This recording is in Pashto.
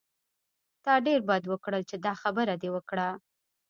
تا ډېر بد وکړل چې دا خبره دې وکړه.